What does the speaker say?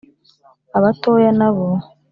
Abatoya na bo